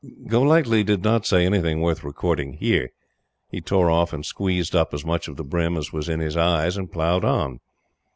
Golightly did not say anything worth recording here. He tore off and squeezed up as much of the brim as was in his eyes and ploughed on.